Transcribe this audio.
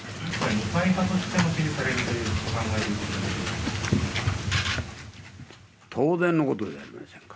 二階派としても支持されるというお考えですか。